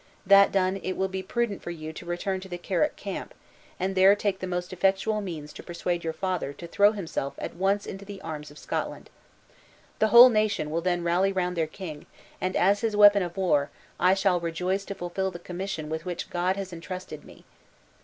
That done, it will be prudent for you to return to the Carrick camp; and there take the most effectual means to persuade your father to throw himself at once into the arms of Scotland. The whole nation will then rally round their king; and as his weapon of war, I shall rejoice to fulfill the commission with which God has intrusted me!"